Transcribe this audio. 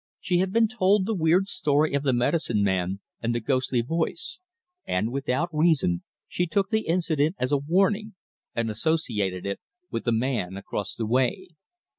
She had been told the weird story of the medicine man and the ghostly voice, and, without reason, she took the incident as a warning, and associated it with the man across the way.